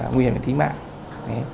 nguy hiểm là thí mạng